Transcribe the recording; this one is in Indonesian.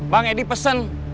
bang edi pesen